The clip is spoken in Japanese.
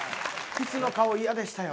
キスの顔嫌でしたよ。